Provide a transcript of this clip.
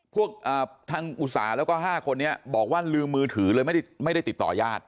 พวกทางอุตสาหแล้วก็๕คนนี้บอกว่าลืมมือถือเลยไม่ได้ติดต่อยาด